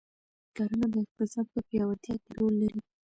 کرنه د اقتصاد په پیاوړتیا کې رول لري.